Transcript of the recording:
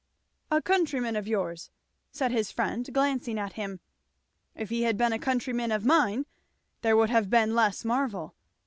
"A countryman of yours," said his friend glancing at him. "If he had been a countryman of mine there would have been less marvel.